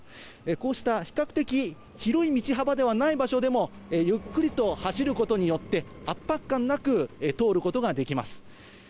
こうした比較的広い道幅ではない場所でも、ゆっくりと走ることによって、圧迫感なく通ることができます。